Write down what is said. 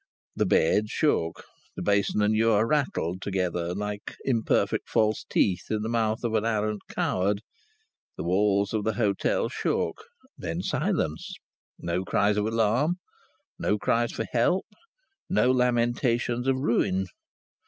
The bed shook; the basin and ewer rattled together like imperfect false teeth in the mouth of an arrant coward; the walls of the hotel shook. Then silence! No cries of alarm, no cries for help, no lamentations of ruin!